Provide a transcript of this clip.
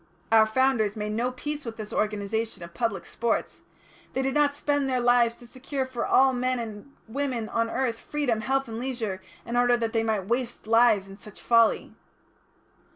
Our Founders made no peace with this organisation of public sports. They did not spend their lives to secure for all men and women on the earth freedom, health, and leisure, in order that they might waste lives in such folly."